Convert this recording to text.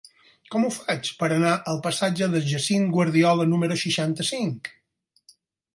Com ho faig per anar al passatge de Jacint Guardiola número seixanta-cinc?